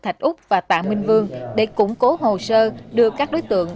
thạch úc và tạ minh vương để củng cố hồ sơ đưa các đối tượng